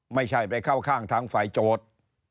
ไม่ใช่ไปเข้าข้างทางฝ่ายโจทย์